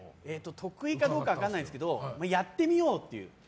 得意かどうか分からないんですけどやってみようという。